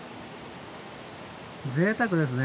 ぜいたくですね。